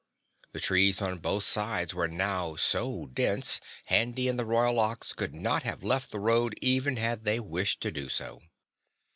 The trees on both sides were now so dense Handy and the Royal Ox could not have left the road even had they wished to do so.